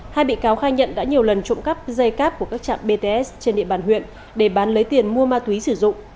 hai bị cáo khai nhận đã nhiều lần trộm cắp dây cáp của các trạm bts trên địa bàn huyện để bán lấy tiền mua ma túy sử dụng